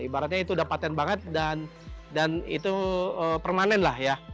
ibaratnya itu udah patent banget dan itu permanen lah ya